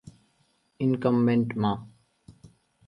Incumbent Ma.